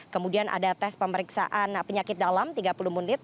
kemudian ada tes pemeriksaan penyakit dalam tiga puluh menit